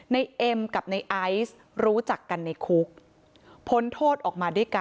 นายเอ็มกับนายไอซ์รู้จักกันในคุก